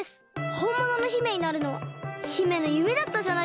ほんものの姫になるのは姫のゆめだったじゃないですか！